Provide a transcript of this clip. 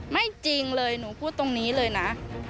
จริงเลยหนูพูดตรงนี้เลยนะ